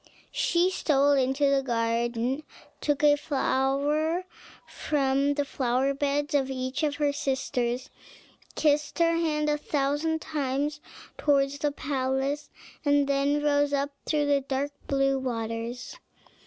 She stole into the garden, took a flower from the flower beds of each of her sisters, kissed her hand a thousand times towards the palace, and then rose up through the dark blue waters.